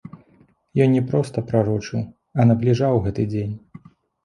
Ён не проста прарочыў, а набліжаў гэты дзень.